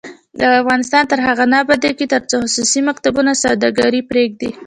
افغانستان تر هغو نه ابادیږي، ترڅو خصوصي مکتبونه سوداګري پریږدي.